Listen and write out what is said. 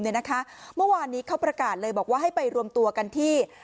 เมื่อวานนี้เขาประกาศเลยบอกว่าให้ไปรวมตัวกันที่